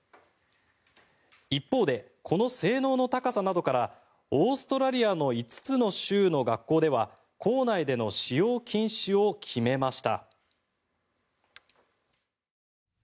一方でこの性能の高さなどからオーストラリアの５つの州の学校では校内での使用禁止を決めました。